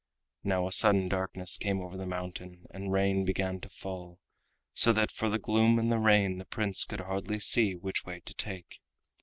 Now a sudden darkness came over the mountain and rain began to fall, so that for the gloom and the rain the Prince could hardly see which way to take.